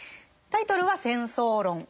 タイトルは「戦争論